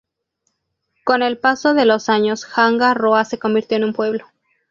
Con el paso de los años, Hanga Roa se convirtió en un pueblo.